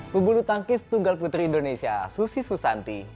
pebulu tangkis tunggal putri indonesia susi susanti